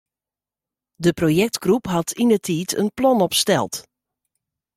De projektgroep hat yndertiid in plan opsteld.